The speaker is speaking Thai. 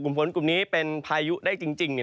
กลุ่มฝนกลุ่มนี้เป็นพายุได้จริง